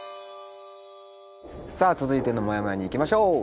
さあ続いてのもやもやにいきましょう！